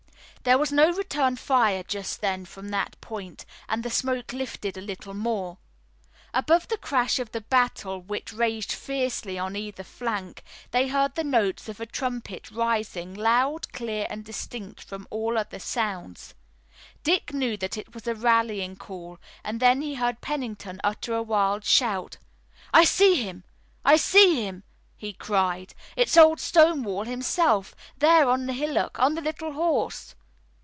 There was no return fire just then from that point, and the smoke lifted a little more. Above the crash of the battle which raged fiercely on either flank, they heard the notes of a trumpet rising, loud, clear, and distinct from all other sounds. Dick knew that it was a rallying call, and then he heard Pennington utter a wild shout. "I see him! I see him!" he cried. "It's old Stonewall himself! There on the hillock, on the little horse!"